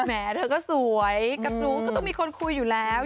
แหมเธอก็สวยกับหนูก็ต้องมีคนคุยอยู่แล้ว